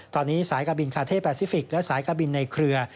ตอนนี้สายการบินคาเท่แปซิฟิกและสายการบินในเครือ